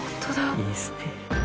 いいっすね。